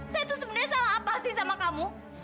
saya tuh sebenarnya salah apa sih sama kamu